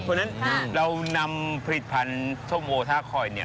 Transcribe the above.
เพราะนั้นเรานำผลิตพันศ์ซมโอทาคอยน์